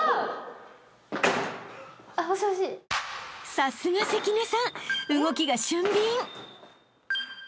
［さすが関根さん動きが俊敏］